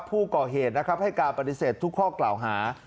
ผู้ก่อเหตุนะครับให้การปฏิเสธทุกข้อกล่าวหา